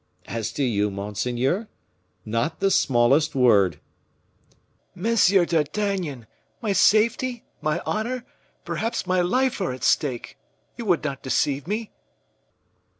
"As to you, monseigneur? not the smallest word." "Monsieur d'Artagnan, my safety, my honor, perhaps my life are at stake. You would not deceive me?"